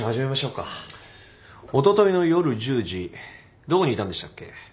おとといの夜１０時どこにいたんでしたっけ？